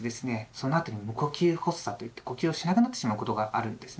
そのあとに「無呼吸発作」といって呼吸をしなくなってしまうことがあるんですね。